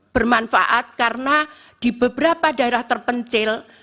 bermanfaat karena di beberapa daerah terpencil